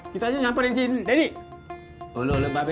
kita nyamperin sini jadi kalau lebar